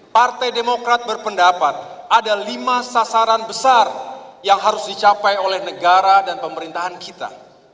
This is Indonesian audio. partai demokrat berpendapat ada lima sasaran besar yang harus dicapai oleh negara dan pemerintahan kita